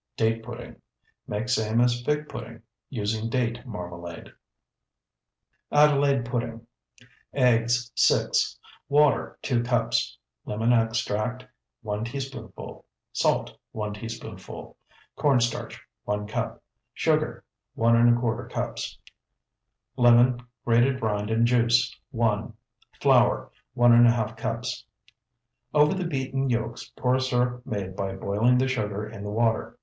DATE PUDDING Make same as fig pudding, using date marmalade. ADELAIDE PUDDING Eggs, 6. Water, 2 cups. Lemon extract, 1 teaspoonful. Salt, 1 teaspoonful. Corn starch, 1 cup. Sugar, 1¼ cups. Lemon, grated rind and juice, 1. Flour, 1½ cups. Over the beaten yolks pour a syrup made by boiling the sugar in the water.